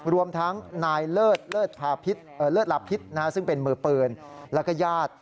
รวมทั้งนายเลิศเลิศลาพิษซึ่งเป็นมือปืนแล้วก็ญาติ